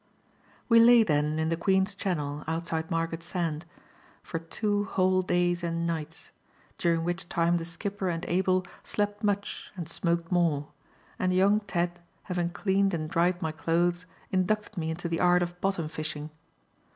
We lay, then, in the Queen's Channel, outside Margate Sand, for two whole days and nights; during which time the skipper and Abel slept much and smoked more, and young Ted, having cleaned and dried my clothes, inducted me into the art of bottom fishing.